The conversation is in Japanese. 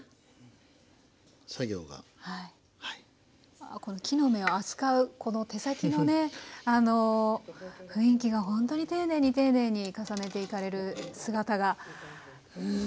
あこの木の芽を扱うこの手先のねあの雰囲気がほんとに丁寧に丁寧に重ねていかれる姿がうん。